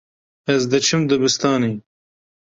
Ez diçim dibistanê.